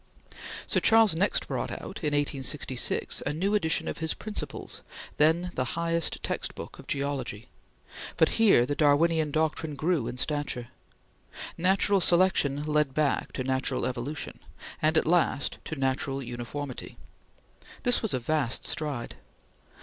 Sir Charles next brought out, in 1866, a new edition of his "Principles," then the highest text book of geology; but here the Darwinian doctrine grew in stature. Natural Selection led back to Natural Evolution, and at last to Natural Uniformity. This was a vast stride.